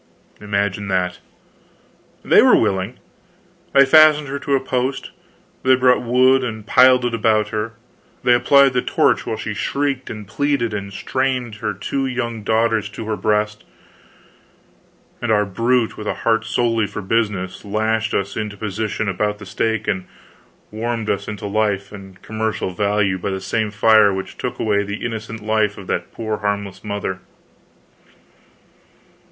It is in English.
Imagine that! They were willing. They fastened her to a post; they brought wood and piled it about her; they applied the torch while she shrieked and pleaded and strained her two young daughters to her breast; and our brute, with a heart solely for business, lashed us into position about the stake and warmed us into life and commercial value by the same fire which took away the innocent life of that poor harmless mother.